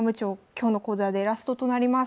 今日の講座でラストとなります。